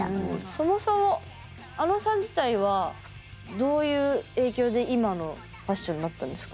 そもそもあのさん自体はどういう影響で今のファッションになったんですか？